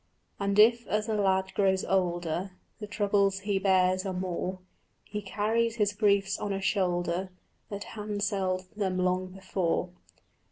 And if as a lad grows older The troubles he bears are more, He carries his griefs on a shoulder That handselled them long before.